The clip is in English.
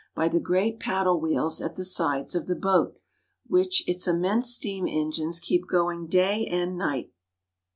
by the great paddle wheels at the sides of the boat, which its immense steam engines keep going day and night.